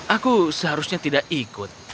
aku seharusnya tidak ikut